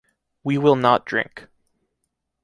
We will not drink.